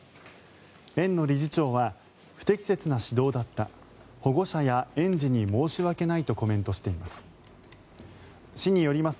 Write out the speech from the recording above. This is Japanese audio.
園の理事長は不適切な指導だった保護者や園児に申し訳ないとコメントしています。